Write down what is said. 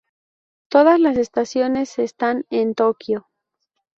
Todas las estaciones están en Tokio.